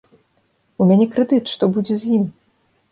У мяне крэдыт, што будзе з ім?